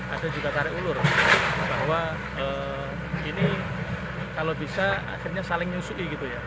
ada juga tarik ulur bahwa ini kalau bisa akhirnya saling nyusui gitu ya